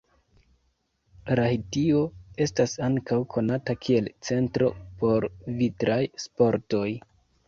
Lahtio estas ankaŭ konata kiel centro por vintraj sportoj.